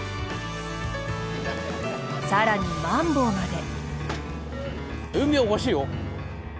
更にマンボウまで。